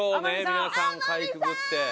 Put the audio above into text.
皆さんかいくぐって。